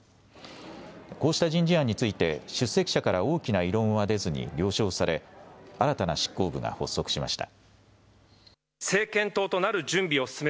こうした人事案について、出席者から大きな異論は出ずに了承され、新たな執行部が発足しました。